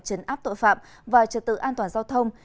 chấn áp tội phạm và trật tự an toàn giao thông